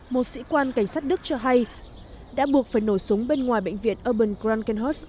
một sĩ quan cảnh sát đức cho hay đã buộc phải nổ súng bên ngoài bệnh viện urban krankenhaus